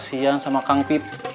kasian sama kang p